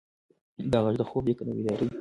دا غږ د خوب دی که د بیدارۍ؟